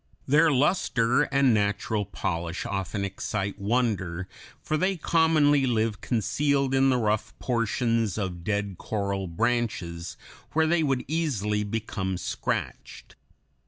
Their luster and natural polish often excite wonder, for they commonly live concealed in the rough portions of dead coral branches, where they would easily become scratched.